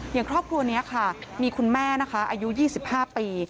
อย่างครอบครัวนี้ค่ะมีคุณแม่นะคะอายุ๒๕ปี